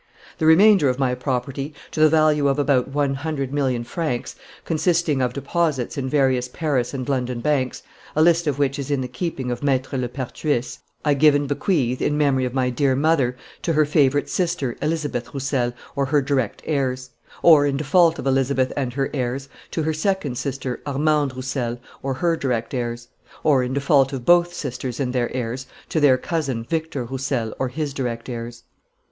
The remainder of my property, to the value of about one hundred million francs, consisting of deposits in various Paris and London banks, a list of which is in the keeping of Maître Lepertuis, I give and bequeath, in memory of my dear mother, to her favourite sister Elizabeth Roussel or her direct heirs; or, in default of Elizabeth and her heirs, to her second sister Armande Roussel or her direct heirs; or, in default of both sisters and their heirs, to their cousin Victor Roussel or his direct heirs.